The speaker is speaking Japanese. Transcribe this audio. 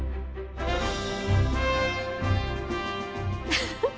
フフフ。